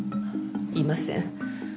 いません。